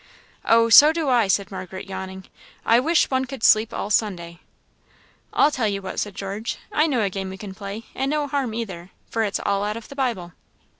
"Oh, so do I!" said Margaret, yawning. "I wish one could sleep all Sunday." "I'll tell you what," said George "I know a game we can play, and no harm either, for it's all out of the Bible."